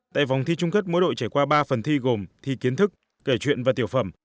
tại vòng thi trung kết mỗi đội trải qua ba phần thi gồm thi kiến thức kể chuyện và tiểu phẩm